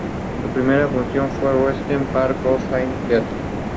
Ha sido comentarista de televisión en su país natal.